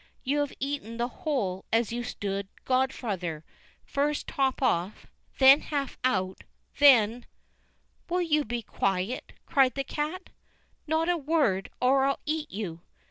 You have eaten the whole as you stood godfather; first Top off, then Half out, then——" "Will you be quiet?" cried the cat. "Not a word, or I'll eat you."